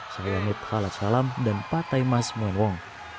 syahyamid khalachalam dan patai mas mewong